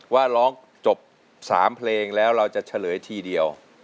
ว่าร้องจบ๓เพลงแล้วเราจะเฉลยทีเดียว